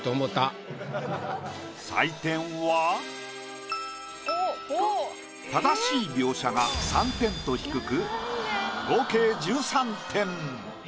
採点は正しい描写が３点と低く合計１３点。